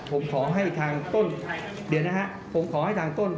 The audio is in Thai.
ผมขอให้ทางต้นเดี๋ยวนะฮะผมขอให้ทางต้น